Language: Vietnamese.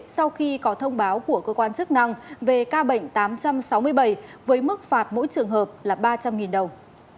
sau khi có thông báo của cơ quan chức năng về ca bệnh tám trăm sáu mươi bảy với mức phạt mỗi trường hợp là ba trăm linh đồng